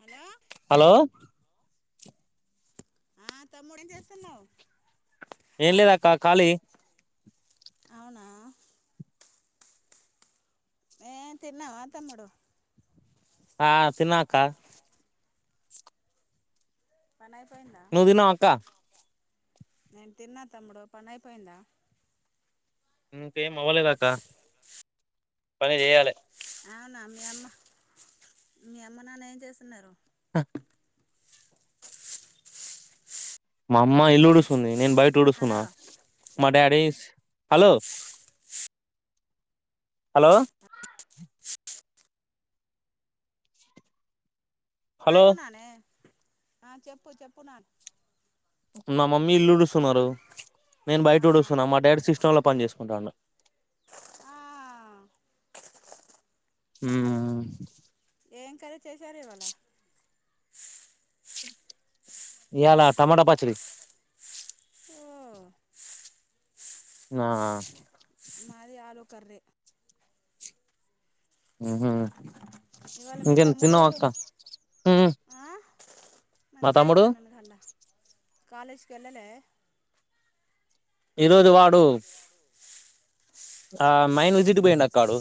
Hello hello ఆ తమ్ముడు ఏం చేస్తున్నావు ఏం లేదక్క ఖాళీ అవునా ఏ తిన్నావా తమ్ముడు ఆ తిన్నా అక్క పనైపోయిందా నువ్వు తిన్నావ అక్క నేను తిన్నా తమ్ముడు పనైపోయిందా ఇంకేం అవ్వలేదక్క పని చేయాలి అవునా మీ అమ్మ మీ అమ్మ నాన్న ఏం చేస్తున్నారు మా అమ్మ ఇల్లూడుస్తుంది నేన్ బయట ఊడుస్తున్న హలో మ డాడీస్ హలో హలో హలో [unintelligible] ఆ చెప్పు చెప్పు నా నా మమ్మీ ఇల్లుడుస్తున్నారు నేను బయట ఆ ఉడుస్తున్నా మా డాడీ సిస్టంలో పని చేసుకుంటన్న ఆ హుమ్ ఏం కర్రి చేశారు ఇవ్వాళ ఇయ్యలా టమాటా పచ్చడి ఓ ఆ ఆ మది ఆలు కర్రే మ్హూ ఇవాళ మీ ఇంకేం తమ్ముడు తిన్నావా అక్క మ్మ్ ఆ మా తమ్ముడు కాలేజ్ కి వెళ్ళలే ఈరోోజు వాడు ఆ మైన్ విజిట్ పోయిండక్క వాడు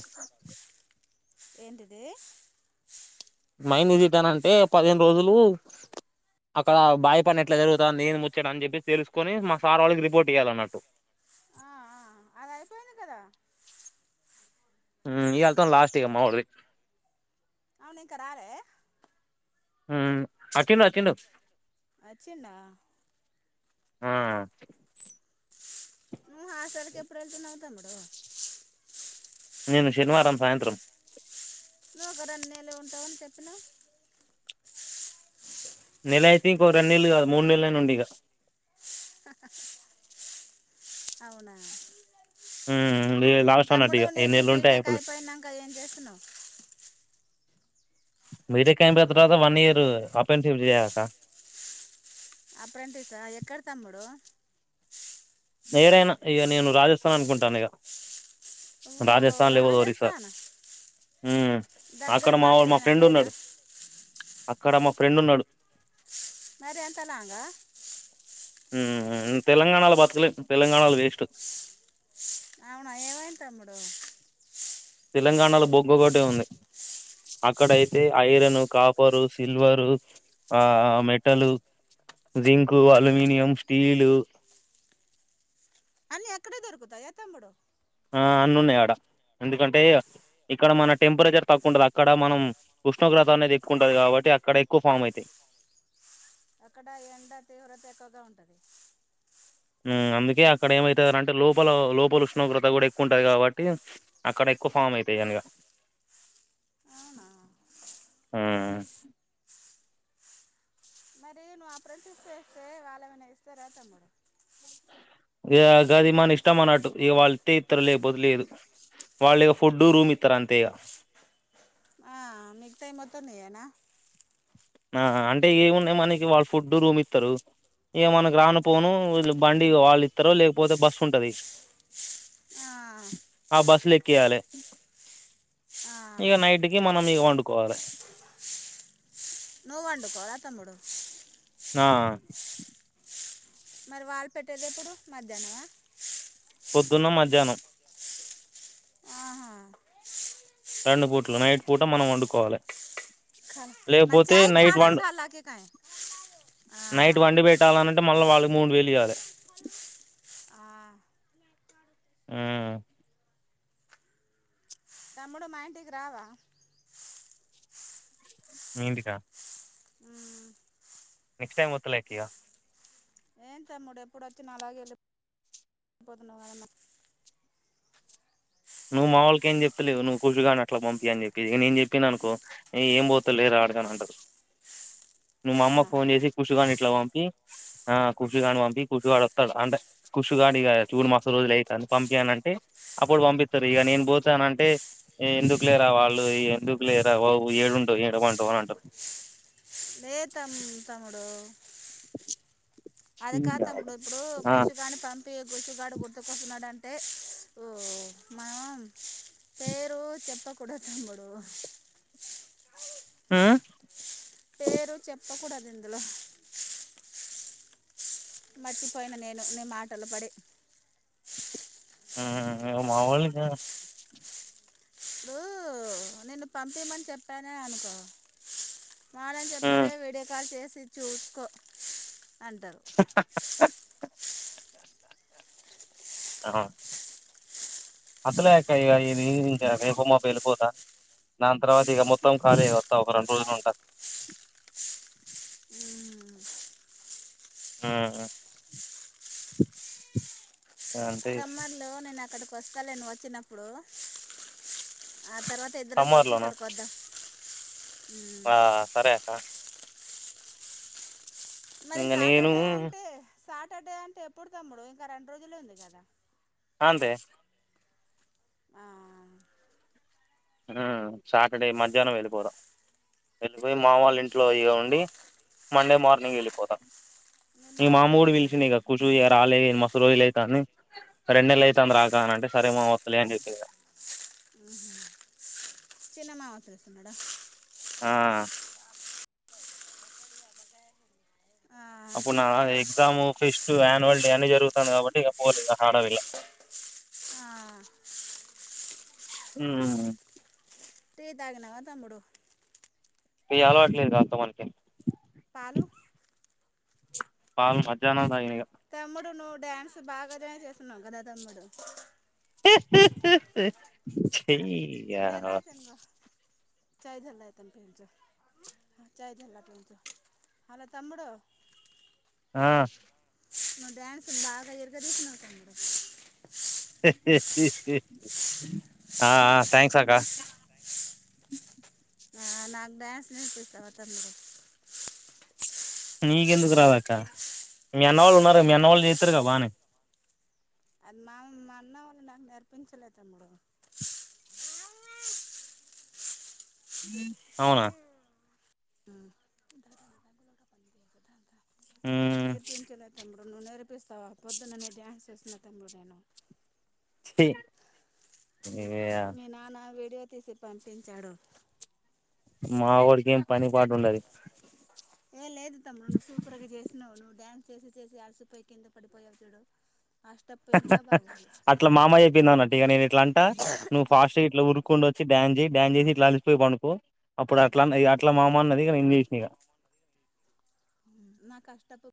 ఏంటిది మైన్ విజిట్ అని అంటే పదిహేను రోజులు అక్కడ బావి పని ఎట్లా జరుగుతంది ఏంది ముచ్చాట అని చెప్పేసి తెలుసుకొని మా సార్ వాళ్ళకి రిపోర్ట్ చేయ్యాల అన్నట్టు ఆ అ అది అయిపోయింది కదా హ ఇయ్యాలతోని లాస్ట్ ఇగ మా ఓడ్ అవును ఇంకరాలే హు అచ్చిండు వచ్చిండు వచ్చిండా ఆ నువ్ హాస్టల్ కి ఎప్పుడు వెళ్తున్నావ్ తమ్ముడు నేను శనివారం సాయంత్రం నువ్వు ఒక రెండు నేళ్ళు ఉంటావని చెప్పినవ్ నెల అయితే ఇంకో రెం నెళ్ళు కాదు మూడు నేలైన ఉంట ఇగ అవునా లాస్ట్ అన్నట్టు తమ్ముడు ఇక ఎన్ని నిది నెలలు ఉంటే బీటేక్ అయిపోతుంది అయిపోయిన్నక్క ఏం చేస్తున్నావు బీటెక్ అయిపోయిన తర్వాత వన్ ఇయరు అప్ ఏం సిప్ చేయొద్ద అప్పురంటీసా ఎక్కడ తమ్ముడు నేరైనా ఇగ నేను రాజస్థాన్ అనుకుంటాన ఇగ ఓ రాజస్థాన్ లేపోతే ఒరిస్సా రాజస్థాన్ ఉ దగ్గర అక్కడ పాట మావ్ మా ఏమైనా ఫ్రెండ్ లేదా ఉన్నాడు అక్కడ మా ఫ్రెండ్ ఉన్నాడు మరి అంత లాంగ్ ఆ హు తెలంగాణలో బతకలేం తెలంగానోళ్లు వేస్ట్ అవునా ఏమైంది తమ్ముడు తెలంగాణలో బొగ్గు ఒక్కటిే ఉంది అక్కడయితే ఐరన్ కాపరు సిల్వరు ఆ మెటల్ జింకు అలూమినియం స్టీలు అన్ని అక్కడె దొరుకుతాయా తమ్ముడు ఆ అన్ని ఉన్నాయి అడ ఎందుకంటే ఇక్కడ మన టెంపరేచర్ తక్కువ ఉంటది అక్కడ మనం ఉష్ణోగ్రత అనేది ఎక్కువ ఉంటది కాబట్టి అక్కడ ఎక్కువ ఫామ్ అయితయి అక్కడ ఎండ తీవ్రత ఎక్కువగా ఉంటది హు అందుకే అక్కడ ఏమైతదానంటే లోపల లోపల ఉష్ణోగ్రత కూడా ఎక్కువ ఉంటది కాబట్టి అక్కడ ఎక్కువ ఫామ్ అవుతయి ఇయ్యనిగా అవునా అ మరి నువ్వు ఆ ప్రెన్ టిస్ చెస్తే వాళ్ళు ఏమైనా ఇస్తార తమ్ముడు ఇగ గది మన ఇష్టం అన్నట్టు ఇగ వాళ్ళు ఇంతే ఇత్తరు లేకపోతే లేదు వాళ్ళు ఇగ ఫుడ్ రూమ్ ఇత్తరు అంతే ఇగ ఆ మిగతావి మొత్తం నీయ్యేనా ఆ అంటే ఏమున్నాయి మనకి వాళ్ళు ఫుడ్ రూమ్ ఇత్తరు ఇగ మనకు రాను పోను బండి వాళ్ళుఇత్తరో లేకపోతే బస్ ఉంటది ఆ బస్సు లెక్కేయాలే ఆ ఇగ నైట్ కి మనం ఇగ వండుకోవాలే నువ్ వండుకోవల తమ్ముడు నా మరి వాళ్ళు పెట్టేది ఎప్పుడు మధ్యానమా పొద్దున మధ్యాహ్నం ఆహా రెండు పూటల నైట్ పూట మనం వండుకోవాలే కల మన లేపోతే చాయ్ నైట్ చాడాను వండ్ కాళ్ళకి కాయ నైట్ వండి పెట్టాలనంటే మళ్లా వాళ్ళు మూడు వేలూ ఇయలే ఆ మ్మ్ తమ్ముడు మా ఇంటికి రావా మీ ఇంటికా మ్మ్ నెక్స్ట్ టైమ్ ఒత్తలెండి ఇగ ఏం తమ్ముడు ఎప్పుడు వచ్చినా అలాగే ఎళ్ళిపో తున్నావు నువ్వు మా వాళ్ళకి ఏం చెప్తలేవు నువ్వు కుషు గాని అట్లా పంపి అని చెప్పి ఇగ నేన్ చెప్పినా అనుకో ఏం పోతావు లేరా అడగాని అంటారు నువ్ మా అమ్మ కి అవునా ఫోన్ చేసి కుషూ గానీ ఇట్లా పంపి ఆ కుర్చుగాని పంపి కూర్చుగాడు వత్తాడు అంటే కుసుగాడిగా చూడు మస్త్ రోజులు అయితంది పంపి అని అంటే అప్పుడు పంపి సరే ఇగ నేను పోతా అంటే ఎందుకు లేరా వాళ్ళు ఎందుకు లేరా బాబు ఏడుంటావు ఏడ పంటావు అని అంటా ఏ తమ్ తమ్ముడు అది కాదు తమ్ముడు ఇప్పుడు ఆ కూషు గాని పం కూర్చు గాడు గుర్తుకొస్తున్నాడంటే హు మనం పేరు చెప్పకూడదు తమ్ముడు ఆ పేరు చెప్పకూడదు ఇందులో మర్చిపోయిన నేను నీ మాటల్లో పడి ఆ మావోళ్ళ ఇంగా నేను పంపిమని చెప్పానే అనుకో మారం చేతరే వీడియో కాల్ చేసి చూస్కో అంటారు ఆ అత్తలే అక్కా ఇది ఇంకా రేపో మాపో వెళ్ళిపోతా దాని తర్వాత ఇక మొత్తం ఖాళీ చేసి వస్తా ఒక రెండు రోజులు ఉంటా మ్మ్. హుమ్ సమ్మర్ లో నేను అక్కడక్ వస్తలే నువ్ వచ్చినప్పుడు ఆ తర్వాత ఇద్దరం సమ్మర్ కలిసి లోనా ఇక్కడకు వద్దాం మ్మ్. ఆ సరే అక్క మరి ఇంక నేను సాటర్డే అంటే సాట్ టడే అంటే ఎప్పుడు తమ్ముడు ఇంకా రెండు రోజులే ఉంది కదా అంతే ఆ ఐన సాటర్డే మధ్యాహ్నం వెళ్ళిపోదం వెళ్ళిపోయి మా మ్మ్. వాల్లింట్లో ఇగ ఉండి మండే మార్నింగ్ యెళ్ళిపోతా మీ ఇంగ మామ్మ మావాళ్ళు గూడా ఇంట్లో ఉంటారు పిలషిందిగా ఖుషు ఆల మ లోోయిలైతానే రెన్నెళ్లయి తాంది రాక అంటే సరే మామ ప్లాన్ రేపేల్తా ఉ చిన్నమ నడా ఆ ఆ, అప్పుడు నా ఎగ్జామ్ ఫిస్ట్ యాన్యువల్ డే అని జరుగుతుంది కాబట్టి ఇగ పోలే ఇ హడ ఇలా ఆ. టీ తాగినవా తమ్ముడు టీ అలవాట్లేదు గాక్క మనకి పాలు పాల్ మధ్యాహ్నం దాగినయ తమ్ముడు నువ్వు డ్యాన్స్ బాగా డాన్స్ జేస్తున్నావు కదా తమ్ముడు స ఇగ భేదరాతనుకో చాయ్ చల్లారుతుంది హలో తమ్ముడ ఆ నువ్ డాన్స్ బాగా ఇర్గడిత్సవంట గదా ఆ థ్యాంక్స్ అకా నాకు డ్యాన్స్ నేర్పిస్తావా తమ్ముడు నీకెందుకు రాదక్క మీ అన్నవాళ్ళు ఉన్నార గదా మీ అన్నవాళ్ళు చేతారు గ బానే అది మా మా అన్న వాళ్ళు నాకు నేర్పించలేదుమ్ మడు అవునా హ మ్ నేర్పించులే తమ్ము నువు నేర్పిస్తావా పొద్దుననే డ్యాన్స్ చేసిన తమ్ముడు నేను స మీనాన్న వే తెస పంపంచడు మావోడికి ఏం పని పాటండది ఏ లేదు తమ్ముడు నువ్వు సూపర్ గా జేసినవు నువ్వు డ్యాన్స్ చేసి చేసి అలసిపోయి కింద పడిపోయావు చూడు ఆ స్టెప్ ఇంకా బాగుంది అట్లా మామయ్య అయిపోయింద అన్నట్టు ఇక నేను ఇట్లా అంటా నువ్వు ఫాస్ట్ ఇట్లా ఉరుకు చకు వచ్చి డాన్ చే డ్యాన్ చేసి ఇట్లా అలిసిపోయి పడుకు అప్పుడు అట్లా అట్లా మామ అన్నది ఇంగ్లీష్క నా కష్టప్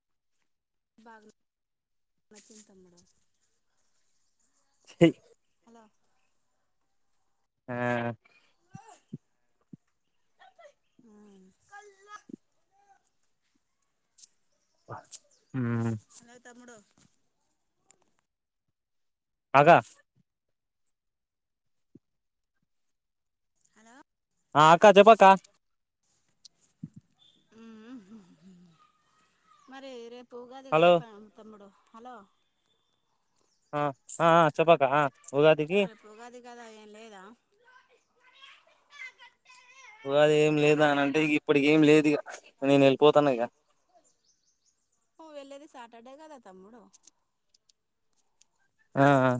బాగా న చింత మడం హలో ఆ ఉ బా హలో తమ్ముడు ఆకా హలో ఆ అక్క చెప్పక్క ఉ మరి రేప్ ఉగాది కదా హలో ఫ తమ్ముడు హలో ఆ ఆ ఆ చెప్పక్క ఆ ఉగాదికి రేపు ఉగాది కదా ఏం లేదా ఉగాది ఏం లేదా అని అంటే ఇప్పుడు ఇగ ఏం లేదు ఇగ నేను వెళ్ళిపోతాను ఇగ నువ్ వేల్లేది సటర్డే కదా తమ్ముడు ఆ ఆ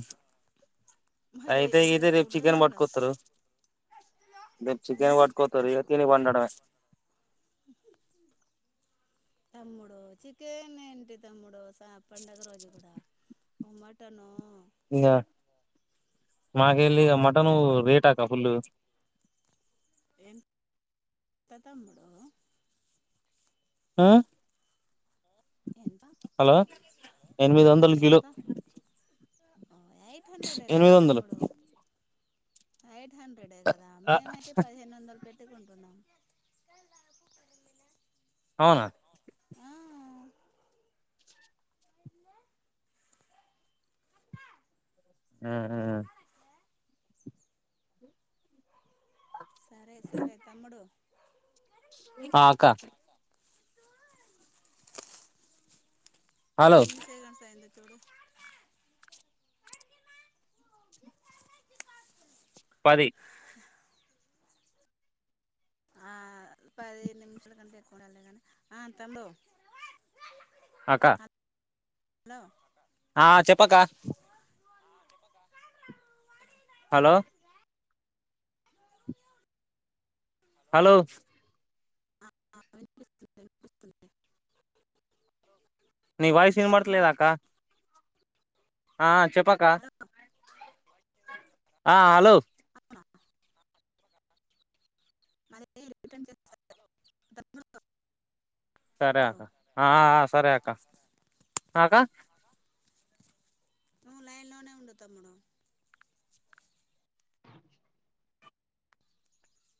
మరి అయితేగియితే రేపు చికెన్ ఉంటున్నావు కదా పట్కోతారు రేపు చికెన్ ఉమ్. పట్కోతారు ఇగ తిని పండడమే తమ్ముడు చికేన్ ఏంటి తమ్ముడు పండగ రోజు కూడా మటనో ఇంగ మాకెల్లి ఇగ మటన్ రేటక్క ఫుల్ ఎం త తమ్ముడు ఆ ఎంత హలో ఎనిమిది ఎంత వందలు కిలో ఎంత ఎయిట్ హండ్రెడే కదా ఎనిమిదోందలు తమ్ముడు ఎయిట్ హండ్రెడే కదా మేమయితే పదిహేను వందలు పెట్ తెచ్చుకుంటున్నాం అవునా ఉహు సరే సరే తమ్ముడు ఆ అక్క హలో ఎన్ని సెకండ్స్ అయింది పది ఆ పది నిమిషాల కంటే ఎక్కువనే అయింది కాని ఆ తమ్ముడు అక్క హలో ఆ చెప్పక్క హలో హలో వినిపిస్తుంది వినిపిస్తుంది నీ వాయిస్ తమ్ముడు ఇనాపడతాలేదాక ఆ చెప్పక హలో ఆ హలో అవునా మరి [inaudible] రిటన్ [inaudible] సరే అక ఆ ఆ సరే అక్క అక్క నువ్వు లైన్ లోనే ఉండు తమ్ముడు